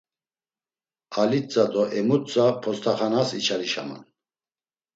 Alitza do Emutza post̆axanas içalişaman.